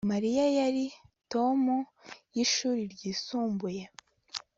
Mariya yari Tom yishuri ryisumbuye